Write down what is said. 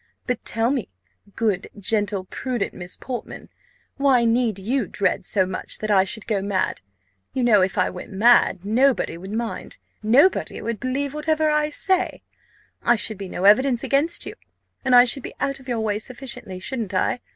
But tell me, good, gentle, prudent Miss Portman, why need you dread so much that I should go mad? You know, if I went mad, nobody would mind, nobody would believe whatever I say I should be no evidence against you, and I should be out of your way sufficiently, shouldn't I?